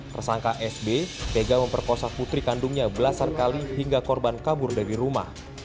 tersangka sb tega memperkosa putri kandungnya belasan kali hingga korban kabur dari rumah